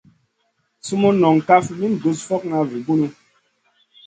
Sumun non kaf min gus fokŋa vi bunu.